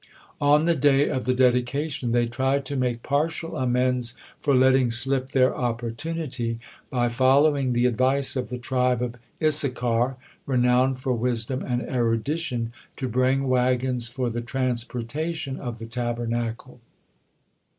On the day of the dedication they tried to make partial amends for letting slip their opportunity, by following the advice of the tribe of Issachar, renowned for wisdom and erudition, to bring wagons for the transportation of the Tabernacle.